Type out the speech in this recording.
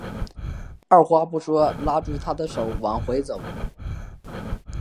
二话不说拉住她的手往回走